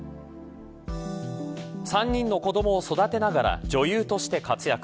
３人の子どもを育てながら女優として活躍。